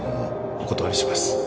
・お断りします